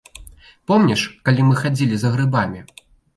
Помніш, калі мы хадзілі за грыбамі.